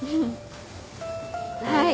はい。